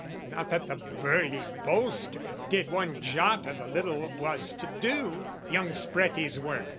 "Not that the burly boaster did one jot "O' the little was to do young Spreti's work!